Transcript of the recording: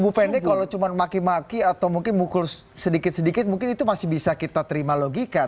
bu pendek kalau cuma maki maki atau mungkin mukul sedikit sedikit mungkin itu masih bisa kita terima logika